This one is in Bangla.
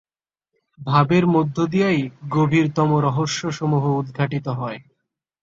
ভাবের মধ্য দিয়াই গভীরতম রহস্যসমূহ উদ্ঘাটিত হয়।